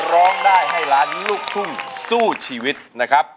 ร้องได้ให้ล้านลูกทุ่งสู้ชีวิตนะครับ